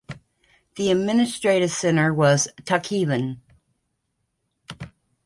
Its administrative centre was Tikhvin.